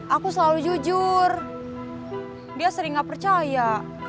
aku selalu jujur dia sering gak percaya